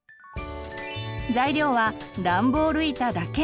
材料はダンボール板だけ！